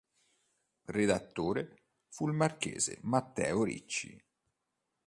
Redattore fu il marchese Matteo Ricci.